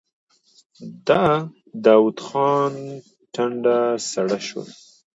د داوود خان ټنډه سړه شوه.